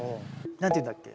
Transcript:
何ていうんだっけ？